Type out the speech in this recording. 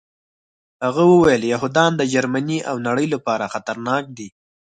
هغه وویل یهودان د جرمني او نړۍ لپاره خطرناک دي